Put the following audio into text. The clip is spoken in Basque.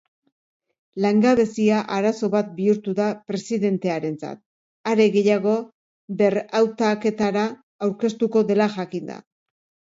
Langabezia arazo bat bihurtu da presidentearentzat, are gehiago berrautaketara aurkeztuko dela jakinda.